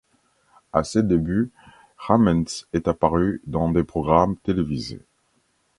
À ses débuts, Rahmens est apparu dans des programmes télévisés.